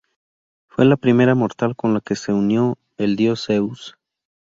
Fue la primera mortal con la que se unió el dios Zeus.